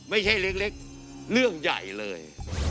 ไม่ใช่เล็กเรื่องใหญ่เลย